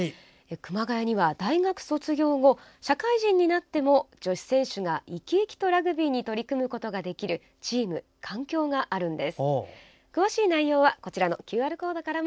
熊谷には大学卒業後、社会人になっても女子選手が生き生きとラグビーに取り組むことができるチーム、環境があるんです。